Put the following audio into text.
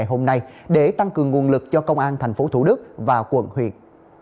hôm nay để tăng cường nguồn lực cho công an tp thủ đức và quận huyện